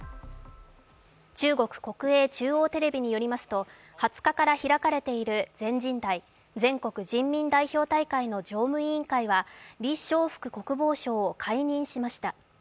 中国国営中央テレビによりますと２０日から開かれている全人代＝全国人民代表大会の常務委員会は李尚福国防相を解任しました。